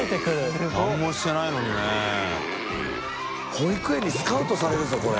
保育園にスカウトされるぞこれ。